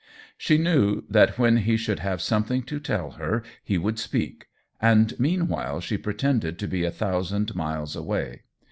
She knew that when he should have something to tell her he would speak ; and meanwhile she pretended to be a thousand miles away.